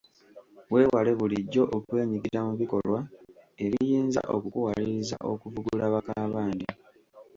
Weewale bulijjo okwenyigira mu bikolwa ebiyinza okukuwaliriza okuvugula bakaabandi.